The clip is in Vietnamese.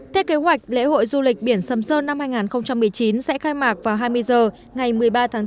theo kế hoạch lễ hội du lịch biển sầm sơn năm hai nghìn một mươi chín sẽ khai mạc vào hai mươi h ngày một mươi ba tháng bốn